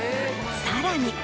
さらに。